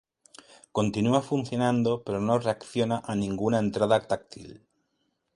Continua funcionando pero no reacciona a ninguna entrada táctil.